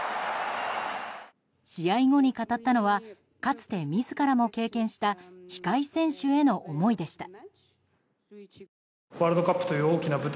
試合後に語ったのはかつて自らも経験した控え選手への思いでした。